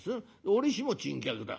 「折しも珍客だ」。